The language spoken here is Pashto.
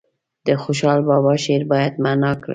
د خوشحال بابا شعر باید معنا کړي.